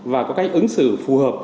và có cách ứng xử phù hợp